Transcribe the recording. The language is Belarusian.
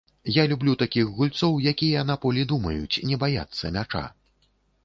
Я люблю такіх гульцоў, якія на полі думаюць, не баяцца мяча.